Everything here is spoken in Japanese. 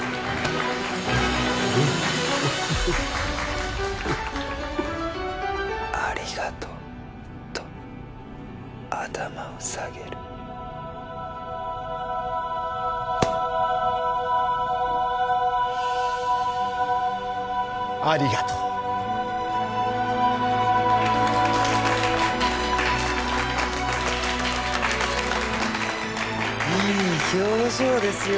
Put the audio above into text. うん「ありがとう」と頭を下げるありがとういい表情ですよ